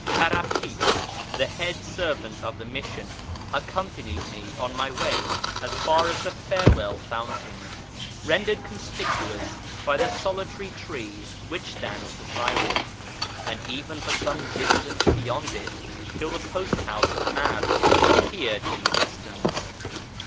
Karapit, the head servant of the Mission, accompanied me on my way as far as the " Farewell Fountain " (rendered conspicuous by the solitary tree which stands beside it), and even for some distance beyond it, till the post house of Marg appeared in the distance.